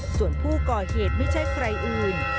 ส่วนผู้ก่อเหตุไม่ใช่ใครอื่น